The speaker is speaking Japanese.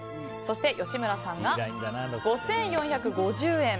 吉村さんが５４５０円。